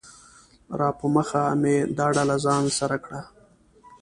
راپه مخه مې دا ډله ځان سره کړه